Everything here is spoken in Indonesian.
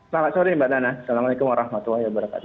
selamat sore mbak nana assalamualaikum warahmatullahi wabarakatuh